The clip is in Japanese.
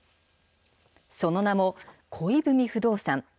その名も、恋文不動産。